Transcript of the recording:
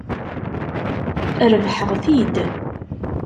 Rebḥeɣ-t-id.